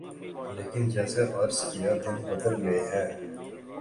لیکن جیسے عرض کیا دن بدل گئے ہیں۔